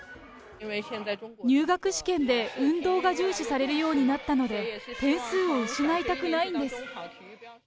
入学試験で運動が重視されるようになったので、点数を失いたくないんです。